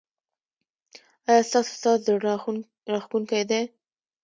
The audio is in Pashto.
ایا ستاسو ساز زړه راښکونکی دی؟